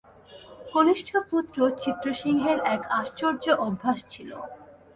কনিষ্ঠ পুত্র চিত্রসিংহের এক আশ্চর্য অভ্যাস ছিল।